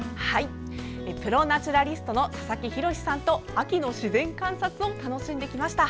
プロ・ナチュラリストの佐々木洋さんと秋の自然観察を楽しんできました。